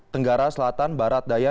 tenggara selatan barat daya